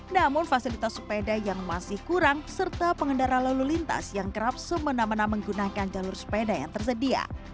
namun fasilitas sepeda yang masih kurang serta pengendara lalu lintas yang kerap semena mena menggunakan jalur sepeda yang tersedia